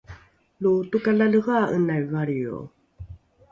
lo tokalalehea’enai valrio